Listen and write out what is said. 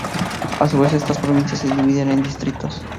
A su vez estas provincias se dividen en distritos.